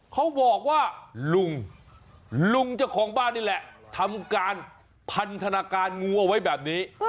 เขาบอกว่าลุงลุงเจ้าของบ้านนี่แหละทำการพันธนาการงูเอาไว้แบบนี้